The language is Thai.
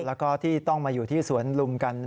แล้วก็ที่ต้องมาอยู่ที่สวนลุมกัน